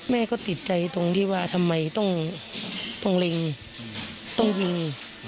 แม่ก็ติดใจตรงที่ว่าทำไมต้องเล็งต้องยิง